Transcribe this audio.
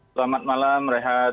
selamat malam rehat